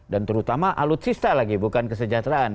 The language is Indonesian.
dan terutama alutsista lagi bukan kesejahteraan